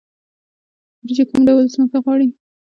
وریجې کوم ډول ځمکه غواړي؟